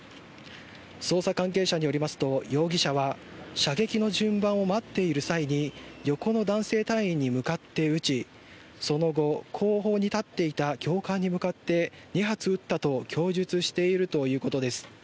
捜査関係者によりますと容疑者は射撃の順番を待っている際に横の男性隊員に向かって撃ちその後、後方に立っていた教官に向かって２発撃ったと供述しているということです。